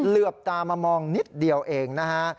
เหลือบตามามองนิดเดียวเองนะฮะ